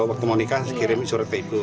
oh waktu mau nikah kirim surat ke ibu